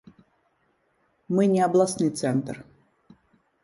Мы не абласны цэнтр.